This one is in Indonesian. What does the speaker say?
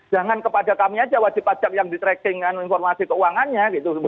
jangan kepada kami saja wajib pajak yang di tracking informasi keuangannya